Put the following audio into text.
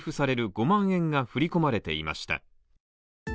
５万円が振り込まれていました。